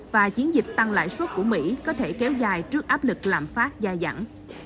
và chiến dịch tăng lãi suất của mỹ có thể kéo dài trước áp lực lạm phát gia dặn